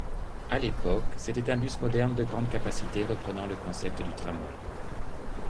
À l'époque, c'était un bus moderne de grande capacité reprenant le concept du tramway.